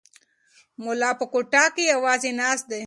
ملا په کوټه کې یوازې ناست دی.